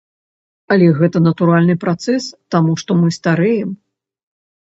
Але гэта натуральны працэс, таму што мы старэем.